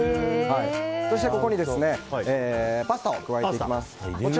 ここに、パスタを加えていきます。